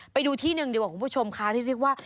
ไปดูที่หนึ่งดีกว่าคุณผู้ชมค่ะที่เรียกว่า